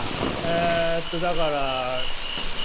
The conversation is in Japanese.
えとだから。